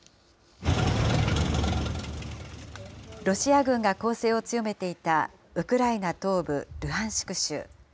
ロシア軍が攻勢を強めていたウクライナ東部ルハンシク州。